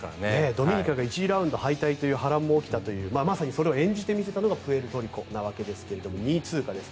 ドミニカが１次ラウンド敗退という波乱も起きたというまさにそれを演じて見せたのがプエルトリコのわけですが２位通過です。